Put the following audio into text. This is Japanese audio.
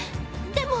でも。